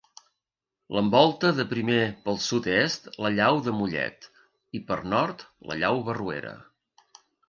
L'envolta de primer pel sud-est la Llau de Mollet i pel nord la Llau Barruera.